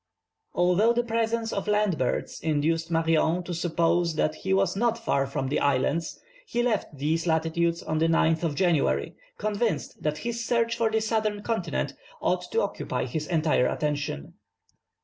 Although the presence of land birds induced Marion to suppose that he was not far from the islands, he left these latitudes on the 9th of January, convinced that his search for the southern continent ought to occupy his entire attention.